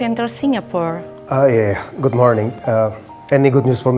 ntar pak ada telepon